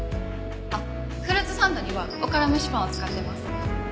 あっフルーツサンドにはおから蒸しパンを使ってます。